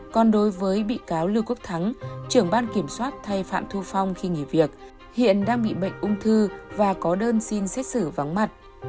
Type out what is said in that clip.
còn đối với bị cáo lưu quốc thắng trưởng ban kiểm soát thay phạm thu phong khi nghỉ việc hiện đang bị bệnh ung thư và có đơn xin xét xử vắng mặt